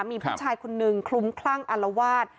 มีผู้ชายคนนึงคลุ้มคลั่งอารวาส